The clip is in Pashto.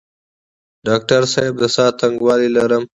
ډاکټر صاحب د ساه تنګوالی لرم؟